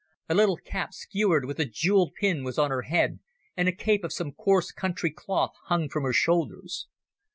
A little cap skewered with a jewelled pin was on her head, and a cape of some coarse country cloth hung from her shoulders.